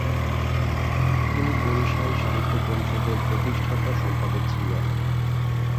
তিনি বরিশাল সাহিত্য পরিষদের প্রতিষ্ঠাতা সম্পাদক ছিলেন।